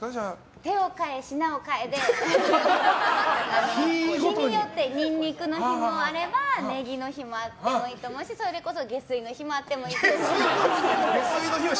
手を変え品を変えで日によってニンニクの日もあればネギの日もあってもいいと思うしそれこそ下水の日もあってもいいと思います。